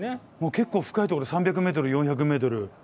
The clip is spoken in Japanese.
結構深いところで３００ｍ４００ｍ。